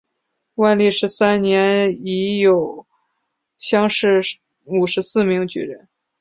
万历十三年乙酉乡试五十四名举人。